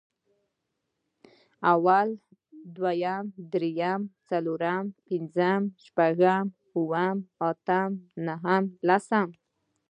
اول، دويم، درېيم، څلورم، پنځم، شپږم، اووم، اتم، نهم، لسم